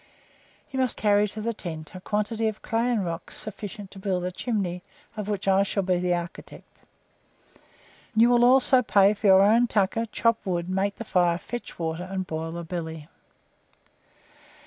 You must carry to the tent a quantity of clay and rocks sufficient to build a chimney, of which I shall be the architect. You will also pay for your own tucker, chop wood, make the fire, fetch water, and boil the billy."